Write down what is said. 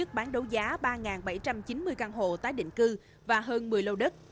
bảy trăm chín mươi căn hộ tái định cư và hơn một mươi lô đất